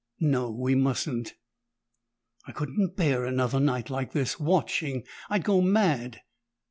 "No, we mustn't." "I couldn't bear another night like this watching! I'd go mad!"